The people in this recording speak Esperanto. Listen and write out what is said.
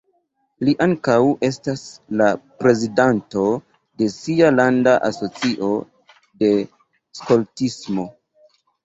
Li ankaŭ estas la prezidanto de sia landa asocio de skoltismo.